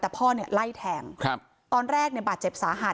แต่พ่อเนี่ยไล่แทงตอนแรกเนี่ยบาดเจ็บสาหัส